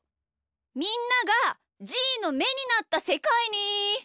みんながじーのめになったせかいに。